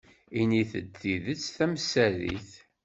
Init-d tidet tamsarit.